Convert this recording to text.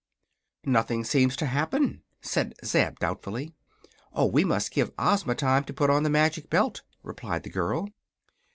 "Nothing seems to happen," said Zeb, doubtfully. "Oh, we must give Ozma time to put on the Magic Belt," replied the girl.